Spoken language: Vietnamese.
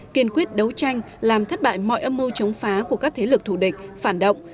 kiên quyết đấu tranh làm thất bại mọi âm mưu chống phá của các thế lực thủ địch phản động